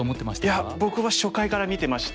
いや僕は初回から見てまして。